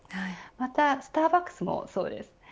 またスターバックスもそうです。